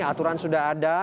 aturan sudah ada